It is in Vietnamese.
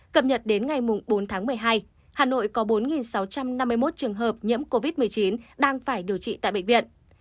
bốn tháng một mươi hai hà nội có bốn sáu trăm năm mươi một trường hợp nhiễm covid một mươi chín đang phải điều trị tại bệnh viện